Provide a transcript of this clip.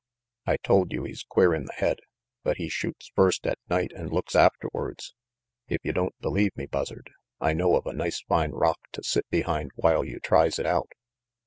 I told you he's queer in the head, but he shoots first at night an' looks afterwards. If you don't believe me, Buzzard, I know of a nice fine rock to sit behind while you tries it out.